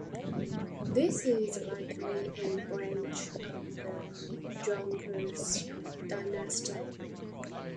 This is likely a branch of the Jonckers dynasty.